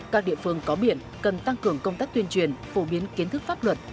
các địa phương có biển cần tăng cường công tác tuyên truyền phổ biến kiến thức pháp luật